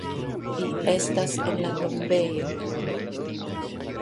Vi estas en la tombejo.